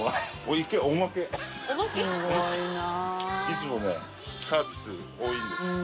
い弔發サービス多いんですよ。